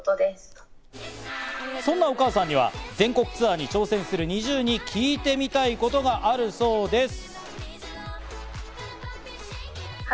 そんなお母さんには全国ツアーに挑戦するＮｉｚｉＵに聞いてみたいことがあるそうです。